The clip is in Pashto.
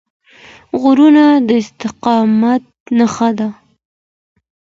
غرونه د استقامت نښه ده.